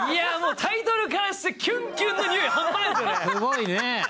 タイトルからしてキュンキュンの匂い、ハンパないですね。